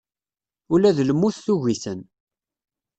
Ula d lmut tugi-ten.